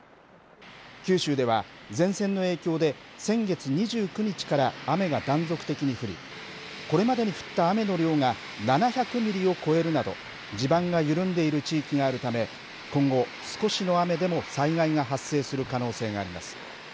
九州では、前線の影響で、先月２９日から雨が断続的に降り、これまでに降った雨の量が７００ミリを超えるなど、地盤が緩んでいる地域があるため、今後、少しの雨でも災害が発生する可能性があります。